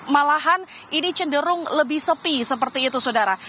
malahan ini cenderung lebih sepi seperti itu saudara